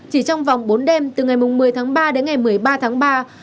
chỉ trong vòng bốn đêm từ ngày một mươi tháng ba đến ngày một mươi ba tháng ba